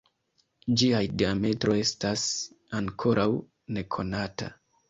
Ĝiaj diametro estas ankoraŭ nekonata.